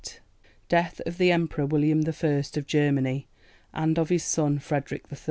Death of the Emperor William I. of Germany, and of his son Frederick III.